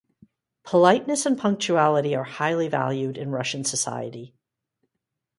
Politeness and punctuality are highly valued in Russian society.